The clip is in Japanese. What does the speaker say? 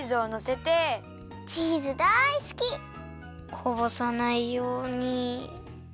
こぼさないように。